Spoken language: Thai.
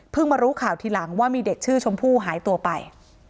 มารู้ข่าวทีหลังว่ามีเด็กชื่อชมพู่หายตัวไป